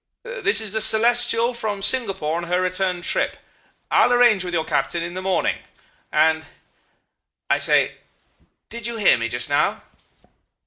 This is the Celestial from Singapore on her return trip. I'll arrange with your captain in the morning... and,... I say... did you hear me just now?